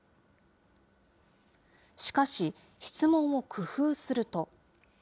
しかし、質問を工夫すると。